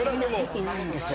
いないんですよ。